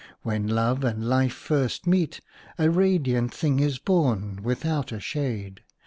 When Love and Life first meet, a radiant thing is born, without a shade.